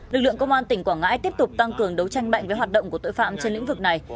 lực lượng công an tỉnh quảng ngãi tiếp tục tăng cường đấu tranh mạnh với hoạt động của tội phạm trên lĩnh vực này